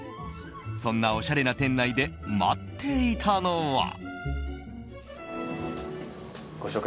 そんなおしゃれな店内で待っていたのは。